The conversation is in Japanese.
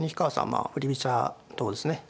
まあ振り飛車党ですね。